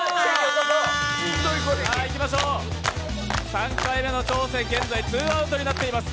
３回目の挑戦、現在ツーアウトとなっています。